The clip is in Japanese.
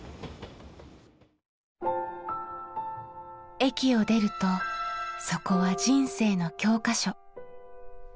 駅を出るとそこは人生の教科書。